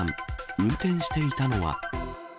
運転していたのは？